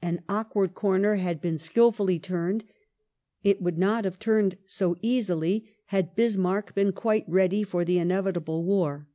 An awkward corner had been skilfully turned. It would not have turned so easily had Bismarck been quite ready for the in evitable war.